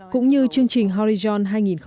cũng như chương trình horizon hai nghìn hai mươi